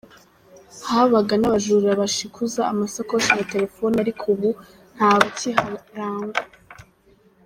Habaga n’abajura bashikuza amasakoshi na telefoni ariko ubu ntabakiharangwa.